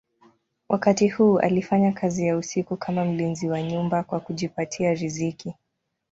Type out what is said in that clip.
Wakati huu alifanya kazi ya usiku kama mlinzi wa nyumba kwa kujipatia riziki.